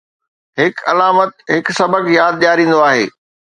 هڪ علامت هڪ سبق ياد ڏياريندو آهي.